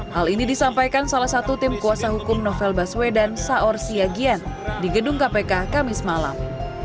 hal ini disampaikan salah satu tim kuasa hukum novel baswedan saor siagian di gedung kpk kamis malam